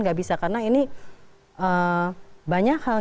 nggak bisa karena ini banyak hal